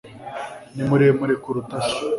ni muremure kuruta se